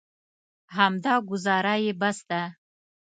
همدا ګوزاره یې بس ده.